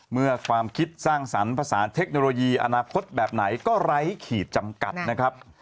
ความคิดสร้างสรรค์ภาษาเทคโนโลยีอนาคตแบบไหนก็ไร้ขีดจำกัดนะครับ